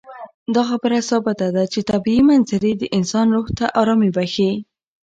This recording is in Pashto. دا خبره ثابته ده چې طبیعي منظرې د انسان روح ته ارامي بښي.